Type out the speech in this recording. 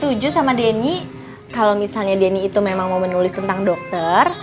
setuju sama denny kalau misalnya denny itu memang mau menulis tentang dokter